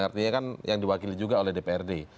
artinya kan yang diwakili juga oleh dprd